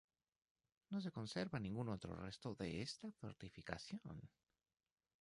No se conservan ningún otro resto de esta fortificación.